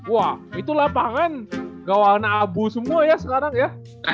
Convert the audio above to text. wah itu lapangan gawana abu semua ya sekarang ya